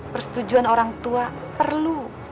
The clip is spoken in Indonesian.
persetujuan orang tua perlu